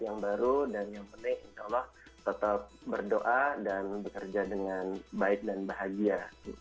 yang baru dan yang penting insya allah tetap berdoa dan bekerja dengan baik dan bahagia